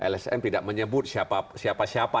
lsm tidak menyebut siapa siapa